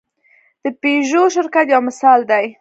د پيژو شرکت یو مثال دی.